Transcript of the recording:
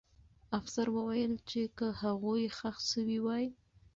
افسر وویل چې که هغوی ښخ سوي وای.